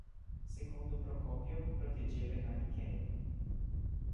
Secondo Procopio proteggeva i Manichei.